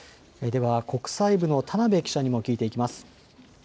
国際部の田辺記者に聞いていきます。